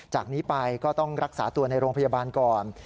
จากนี้ไปก็ต้องรักษาตัวในโรงพยาบาลก่อน